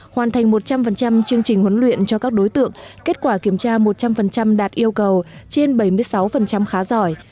hoàn thành một trăm linh chương trình huấn luyện cho các đối tượng kết quả kiểm tra một trăm linh đạt yêu cầu trên bảy mươi sáu khá giỏi